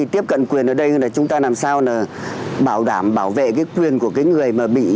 tiếp cận quyền ở đây chúng ta làm sao bảo đảm bảo vệ quyền của người